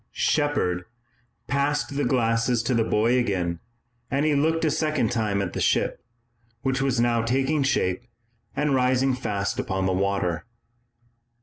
Shepard passed the glasses to the boy again, and he looked a second time at the ship, which was now taking shape and rising fast upon the water.